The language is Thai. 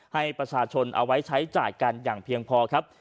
ให้ประชาชนเอาไว้ใช้จ่ายกันอย่างเพียงพอครับ